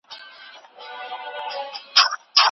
تاسو خپل محصولات په کوم قیمت وپلورل؟